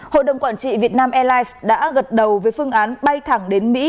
hội đồng quản trị việt nam airlines đã gật đầu với phương án bay thẳng đến mỹ